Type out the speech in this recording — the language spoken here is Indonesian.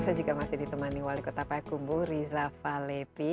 saya juga masih ditemani wali kota payakumbuh riza falefi